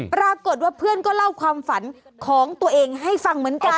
ปรากฏว่าเพื่อนก็เล่าความฝันของตัวเองให้ฟังเหมือนกัน